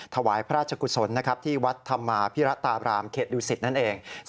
ถวายพระราชกุศลที่วัดธรรมาภิระตาบรามเขตดุสิตนั่นเอง